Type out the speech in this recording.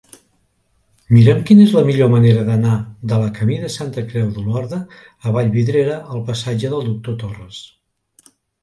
Mira'm quina és la millor manera d'anar de la camí de Santa Creu d'Olorda a Vallvidrera al passatge del Doctor Torres.